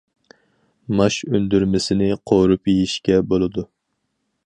ماش ئۈندۈرمىسىنى قورۇپ يېيىشكە بولىدۇ.